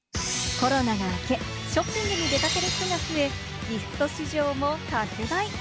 コロナが明け、ショッピングに出掛ける人が増え、ギフト市場も拡大。